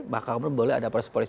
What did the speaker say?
maka boleh ada polisi